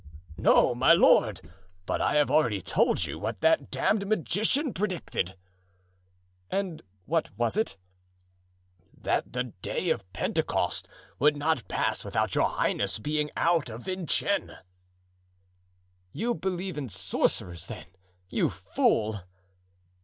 "No, my lord; but I have already told you what that damned magician predicted." "And what was it?" "That the day of Pentecost would not pass without your highness being out of Vincennes." "You believe in sorcerers, then, you fool?"